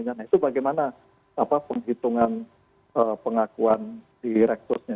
nah itu bagaimana penghitungan pengakuan di rektusnya